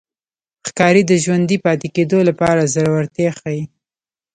ښکاري د ژوندي پاتې کېدو لپاره زړورتیا ښيي.